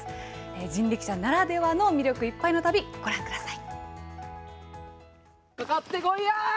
人力車ならではの魅力いっぱいの旅、ご覧ください。